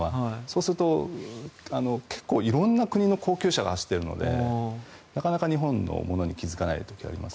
そうすると、結構色んな国の高級車が走っているのでなかなか日本のものに気付かないことがあります。